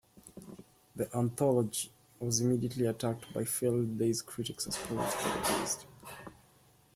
The "Anthology" was immediately attacked by Field Day's critics as politically biased.